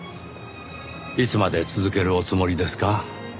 いつまで続けるおつもりですか？